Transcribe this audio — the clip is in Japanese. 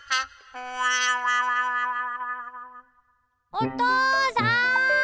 おとうさん！